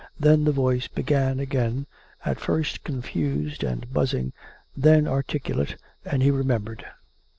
Then the voice began again, at first confused and buzzing, then articulate; and he remembered.